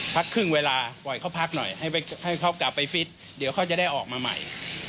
พักครึ่งเวลาปล่อยเขาพักหน่อยให้เขากลับไปฟิตเดี๋ยวเขาจะได้ออกมาใหม่